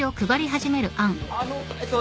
あのえっと。